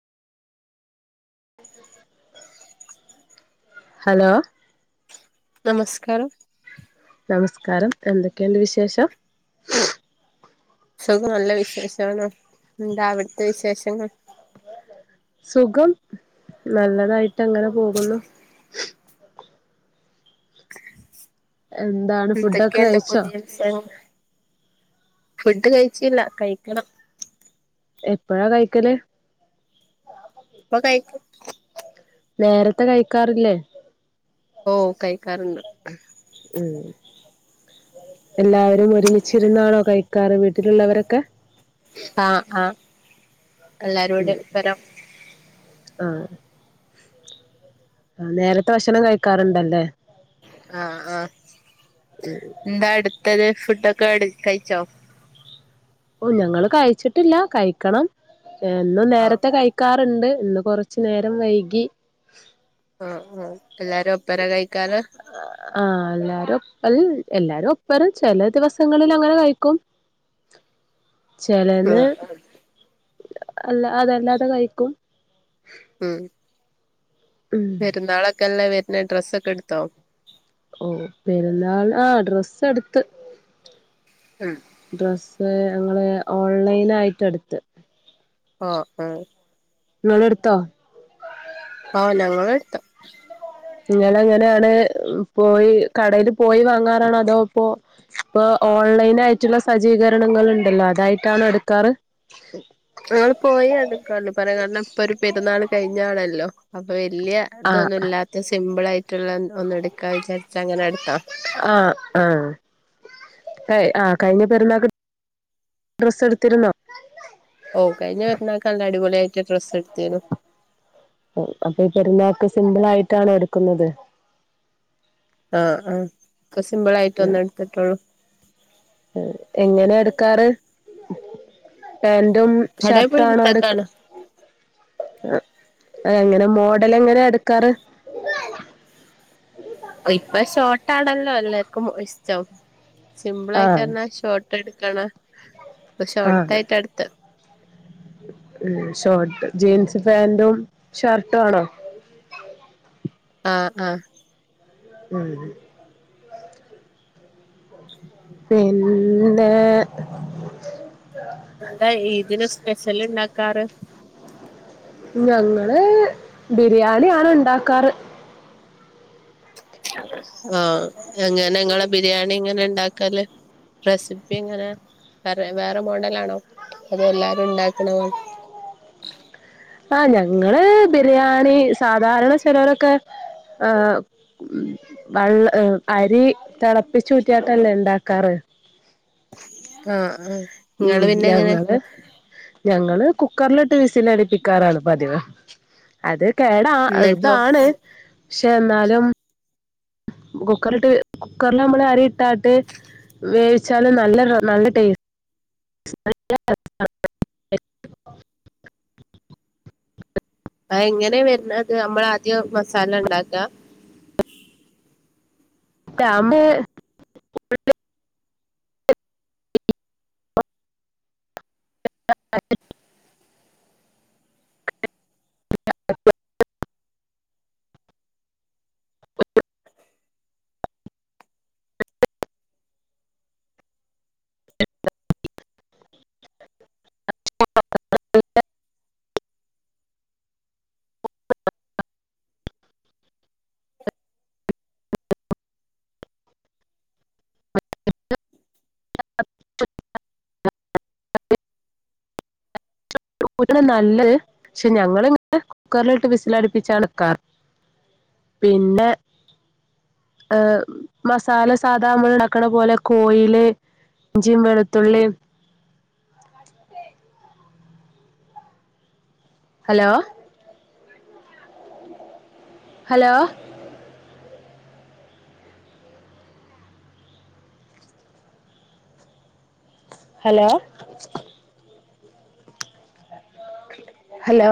Hello നമസ്കാരം നമസ്കാരം എന്തൊക്കെയുണ്ട് വിശേഷം സുഖം നല്ല വിശേഷാണ് എന്താ അവിടുത്തെ വിശേഷങ്ങൾ സുഖം നല്ലതായിട്ട് അങ്ങനെ പോകുന്നു എന്താ എന്തൊക്കെയണ്ട് പുതിയ വിഷയങ്ങൾ ഫുഡ് കഴിച്ചില്ല കഴിക്കണം എപ്പഴാ കഴിക്കല് ഇപ്പ കഴിക്കും നേരത്തെ കഴിക്കാറില്ലേ ഓ കഴിക്കാറുണ്ട് ഉം എല്ലാവരും ഒരുമിച്ചിരുന്നാണോ കൈക്കാറ് വീട്ടിലുള്ളവരൊക്കെ ആഹ് ആഹ് എല്ലാരോട് ഇപ്പരം ആഹ് നേരത്തെ ഭക്ഷണം കഴിക്കാറുണ്ടല്ലേ ആഹ ആഹ് എന്താ അടുത്തത് ഫുഡൊക്കെ അട് കഴിച്ചോ ഓ ഞങ്ങള് കഴിച്ചിട്ടില്ല കഴിക്കണം എന്നും ആഹ് നേരത്തെ കഴ ക്കാറുണ്ട് ഇന്ന് കുറച്ചു നേരം വൈകി ആഹ് ആഹ് എല്ലാരും അപ്പഴാ കഴിക്കാറ് ആഹ എല്ലാരും ഒപ്പ എല്ലാരും ഒപ്പരും ചില ദിവസങ്ങളിൽ അങ്ങനെ കഴിക്കും. ആ ചിലന്ന് അല്ലാതെ അതല്ലാതെ കഴിക്കും ഉം ഉം പെരുന്നാളൊക്കെല്ലേ വരുന്നെ ഡ്രസ്സൊക്കെ എടുത്തോ ഓ പെരുന്നാൾ ആഹ് ഡ്രസ്സ് എടുത്ത് ഉം ഡ്രസ്സ് ഞങ്ങള് ഓൺലൈൻആയിട്ട് എടുത്ത് ആഹ് ആഹ് നിങ്ങളെടുത്തോ ഓ ഞങ്ങളെടുത്തു നിങ്ങൾ എങ്ങനെയാണ് പോയി കടയിൽ പോയി വാങ്ങാറാണോ അതോ ഇപ്പോ ഇപ്പൊ ഓൺലൈൻ ആയിട്ടുള്ള സജ്ജീകരണങ്ങൾ ഉണ്ടല്ലോ അതായിട്ടാണോ എടുക്കാറ്? ഞങ്ങൾ പോയിഇടക്കള്ളു പറയാൻ കാരണം ഇപ്പൊ ഒരു പെരുന്നാൾ കഴിഞ്ഞാണല്ലോ അപ്പൊ വലിയ ആ ഇതൊന്നും ഇല്ലാത്ത സിമ്പിൾ ആയിട്ടുള്ള ഒന്ന് എടുക്കാ വിചാരിച്ചങ്ങനെ എടുത്താ ആഹ് ആഹ് ഏയ്, ആഹ് കഴിഞ്ഞ പെരുന്നാൾക്ക് ഡ്രസ് എടുത്തിരുന്നോ ഓ കഴിഞ്ഞ പെരുന്നാൾക്ക് നല്ല അടിപൊളിയായിട്ട് ഡ്രസ് എടുത്തീനു അപ്പൊ ഈ പെരുന്നാൾക്ക് സിമ്പിൾ ആയിട്ടാണോ എടുക്കുന്നത്. ആഹ് ആഹ് ഒക്കെ സിമ്പിൾ ആയിട്ട് ഒന്ന് എടുത്തിട്ടുള്ളൂ. എങ്ങനെ എടുക്കാറ് പാന്റും കടയിൽ പോയി ഷർട്ടാണോ എടുക്ക എടുത്തേക്കാണ് ആ അതെ എങ്ങനെ മോഡലെങ്ങെന എടുക്കാറ്. ഇപ്പൊ ഷോർട്ടാണല്ലോ എല്ലാർക്കും ഇഷ്ടം. ആഹ് സിംമ്പിളായിട്ടറ്ഞ്ഞാൽ ഷോർട്ട് എടുക്ക്ണ്. ഇപ ആഹ് ഷോർട്ടായിട്ട എട്ത്തെ. ഉം. ഷോർട്ട്. ജീൻസ് പാാന്റും ഷർട്ടും ആണൊ. ആഹ് ആഹ്. ഉം. പിന്നേ. എന്താ ഇതിന് സ്പെഷ്യല് ഇണ്ടാക്കാറ്. ഞങ്ങള് ബിരിയാണി ആണ് ഇണ്ടാക്കാറ്. ആഹ് എങ്ങനെ ഇങ്ങളെ ബിരിയാണി എങ്ങനെ ഇണ്ടാക്കല്. റെസിപ്പി എങ്ങനാ വേറെ, വേറെ മോഡലാണൊ. അത് എല്ലാരും ഇണ്ടാക്ക്ണ ആ ഞങ്ങള് ബിരിയാണി സാധാരണ ചെലോരൊക്കെ ആ ഉം. വള്ള അരി തെളപ്പിച്ചൂറ്റിയാട്ടല്ലെ ഇണ്ടാക്കാറ്. ആഹ് ആഹ് ഉം. നിങ്ങള് പിന്നെ എങ്ങനെ ഞങ്ങള് ഞങ്ങള് കുക്കറ്ല്ട്ട് വിസിലടിപ്പിക്കാറാണ് പതിവ്. അത് കേടാ എന്നിട്ടോ ഇതാണ് പക്ഷെ ഇന്നാലും. കുക്കറിട്ട്. കുക്കറ്ല് നമ്മള് അരി ഇട്ടാട്ട് വേവിച്ചാലും നല്ല നല്ല ടേസ്റ്റ് [unintelligible] അത് എങ്ങനെ വെര്ന്നത്. നമ്മളാദ്യം മസാല ഇണ്ടാക്ക. [unintelligible] [unintelligible] [inaudible] നല്ലത്. പക്ഷെ ഞങ്ങളിങ്ങനെ കുക്കറ്ലിട്ട് വിസില അടിപ്പിച്ചാണ് ക്കാറ് പിന്നെ ഏഹ് മസാല സാധാ അമ്മള് ഇണ്ടാക്ക്ണ പോലെ കോയില്. ഇഞ്ചിം വെളത്തുള്ളിം. Hello hello hello hello.